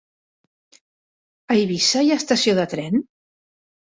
A Eivissa hi ha estació de tren?